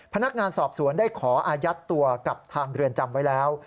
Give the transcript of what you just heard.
พนักงานสอบสวนได้ขออายัดตัวกับทางเรือนจำไว้แล้ว